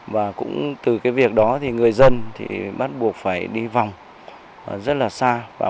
và cũng từ cái việc đó thì người dân thì bắt buộc phải đi vòng rất là xa